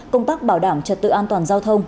công tác bảo đảm trật tự an toàn giao thông